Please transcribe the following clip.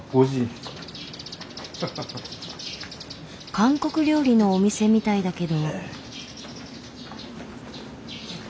韓国料理のお店みたいだけど。